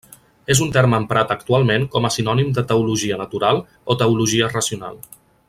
És un terme emprat actualment com a sinònim de teologia natural o teologia racional.